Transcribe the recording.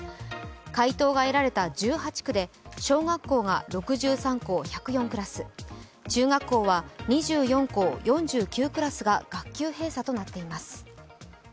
回答が得られた１８区で小学校が６３校、１０４クラス中学校は２４校、４９クラスが学級閉鎖となっています。